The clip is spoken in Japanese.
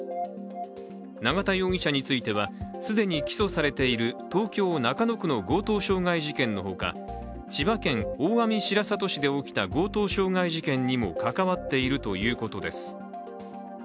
永田容疑者については既に起訴されている東京・中野区の強盗傷害事件のほか千葉県大網白里市で起きた強盗傷害事件にも関わっているということです。